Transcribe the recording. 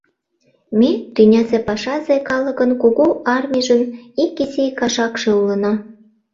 Ме тӱнясе пашазе калыкын кугу армийжын ик изи кашакше улына.